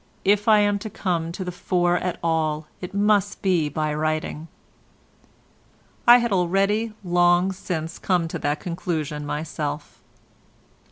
If I am to come to the fore at all it must be by writing." I had already long since come to that conclusion myself.